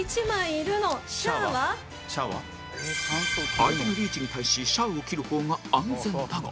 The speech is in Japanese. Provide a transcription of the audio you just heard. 相手のリーチに対し西を切る方が安全だが